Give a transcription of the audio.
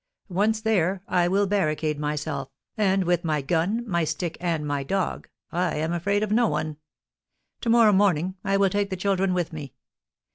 Once there, I will barricade myself, and, with my gun, my stick, and my dog, I am afraid of no one. To morrow morning I will take the children with me.